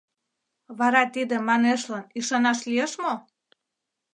Вара тиде «манешлан» ӱшанаш лиеш мо?